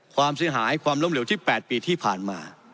ความเสียหายความล้มเหลวที่๘ปีที่ผ่านมา